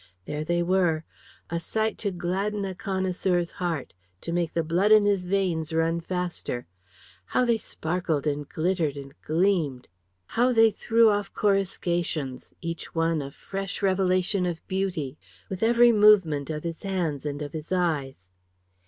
There they were a sight to gladden a connoisseur's heart; to make the blood in his veins run faster! How they sparkled, and glittered, and gleamed! How they threw off coruscations, each one a fresh revelation of beauty, with every movement of his hands and of his eyes.